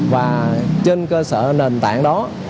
và trên cơ sở nền tảng đó